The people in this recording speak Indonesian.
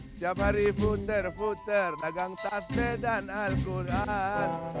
setiap hari puter puter dagang tarte dan al quran